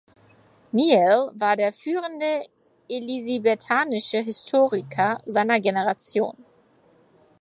Neale war der führende elisabethanische Historiker seiner Generation.